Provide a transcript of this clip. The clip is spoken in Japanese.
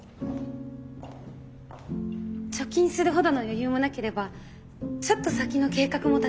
貯金するほどの余裕もなければちょっと先の計画も立てられない。